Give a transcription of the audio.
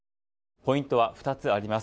ポイントは２つあります。